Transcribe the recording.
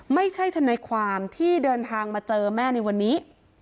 ทนายความที่เดินทางมาเจอแม่ในวันนี้